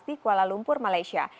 di kuala lumpur malaysia